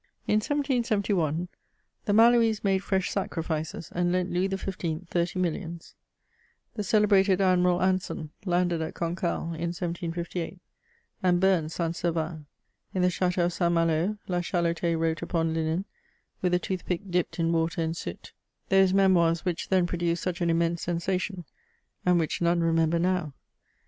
In 1771, the Maloese made fresh sacrifices and lent Louis XV. thirty milHons. The celebrated Admiral Anson landed at Cancale in 1758, and burned St. Servan. In the Ch&teau of St. Malo, La Chalotais wrote upon linen, with a toothpick dipped in water and soot, those Memoirs which then produced such an immense sensation and which none remember now.